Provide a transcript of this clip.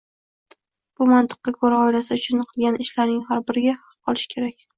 Bu mantiqqa koʻra, oilasi uchun qilgan ishlarining har biriga haq olishi kerak!